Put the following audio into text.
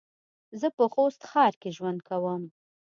زه په خوست ښار کې ژوند کوم